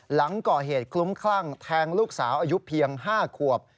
หลังก่อเหตุคลุ้มคลั่งแทงลูกสาวอายุเพียง๕ขวบ